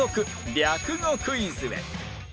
略語クイズへ